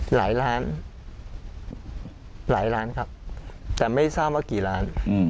หลายล้านหลายล้านครับแต่ไม่ทราบว่ากี่ล้าน